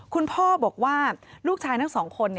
คุณพ่อบอกว่าลูกชายทั้งสองคน